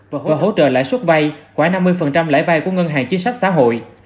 và gói hỗ trợ lãi suất vay khoảng năm mươi lãi vay của ngân hàng chính sách xã hội